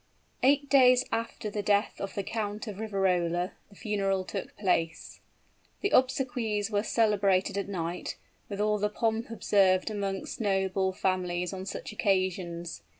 Eight days after the death of the Count of Riverola, the funeral took place. The obsequies were celebrated at night, with all the pomp observed amongst noble families on such occasions.